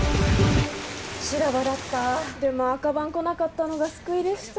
・修羅場だった・でも赤番来なかったのが救いでした。